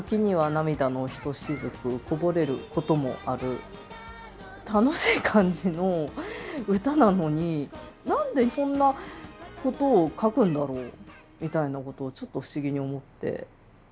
彼の曲って楽しい感じの歌なのに何でそんなことを書くんだろうみたいなことをちょっと不思議に思って。